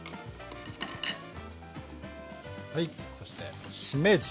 はいそしてしめじ。